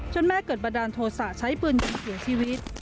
แม่เกิดบันดาลโทษะใช้ปืนยิงเสียชีวิต